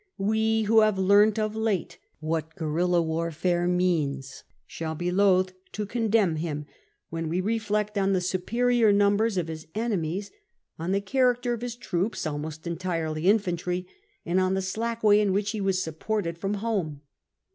We, who have learnt of late what guerilla warfare means, shall be loth to condemn him wlien we retlcct on the superior numbers of his euemios, on the character of POMPEY 246 his troops, almost entirely infantry, and on the slack way in which he was supported from home.